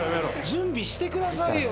準備してくださいよ。